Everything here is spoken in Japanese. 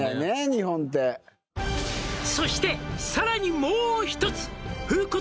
日本って「そしてさらにもう一つ」